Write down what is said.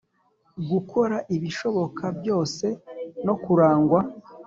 gukora ibishoboka byose no kurangwa